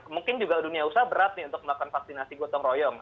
mungkin juga dunia usaha berat nih untuk melakukan vaksinasi gotong royong